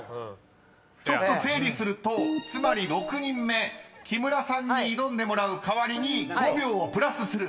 ［ちょっと整理するとつまり６人目木村さんに挑んでもらう代わりに５秒プラスする］